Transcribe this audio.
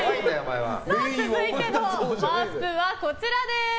続いてのワンスプーンはこちらです。